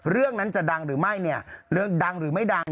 เรื่องนั้นจะดังหรือไม่เนี่ยเรื่องดังหรือไม่ดัง